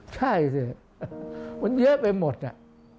ใช่สิมันเยอะไปหมดอ่ะ